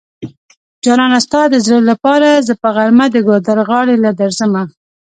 جانانه ستا د زړه لپاره زه په غرمه د ګودر غاړی له درځمه